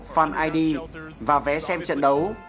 fun id và vé xem trận đấu